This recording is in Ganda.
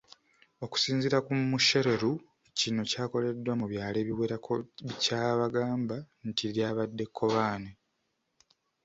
Okusinziira ku Mushereru kino kyakoleddwa mu byalo ebiwerako kyabagamba nti lyabadde kkobaane.